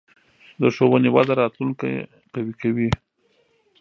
د ښوونې وده راتلونکې قوي کوي.